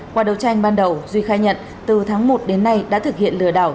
qua đấu tranh ban đầu duy khai nhận từ tháng một đến nay đã thực hiện lừa đảo